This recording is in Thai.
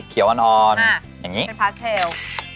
แบบวันอ่อนอย่างงี้เป็นพลาสเทล